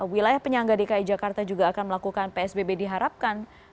wilayah penyangga dki jakarta juga akan melakukan psbb diharapkan